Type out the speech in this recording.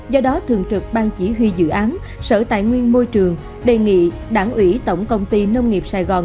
do đó thường trực ban chỉ huy dự án sở tài nguyên môi trường đề nghị đảng ủy tổng công ty nông nghiệp sài gòn